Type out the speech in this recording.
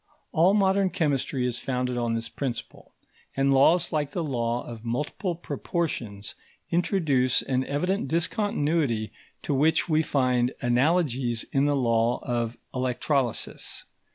All modern chemistry is founded on this principle; and laws like the law of multiple proportions, introduce an evident discontinuity to which we find analogies in the law of electrolysis.